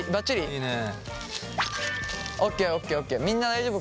いいね！